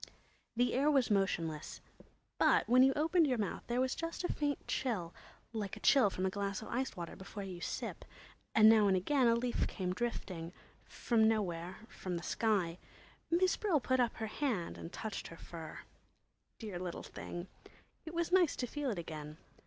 The air was motionless, but when you opened your mouth there was just a faint chill, like a chill from a glass of iced water before you sip, and now and again a leaf came drifting—from nowhere, from the sky. Miss Brill put up her hand and touched her fur. Dear little thing! It was nice to feel it again.